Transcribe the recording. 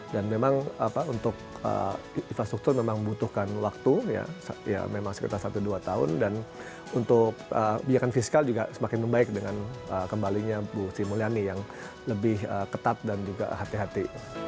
dan memang infrastruktur memang membutuhkan waktu sekitar satu dua tahun dan untuk kebijakan fiskal juga semakin membaik dengan kembalinya bu sri mulyani yang lebih ketat dan hati hati